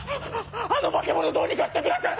あの化け物どうにかしてください！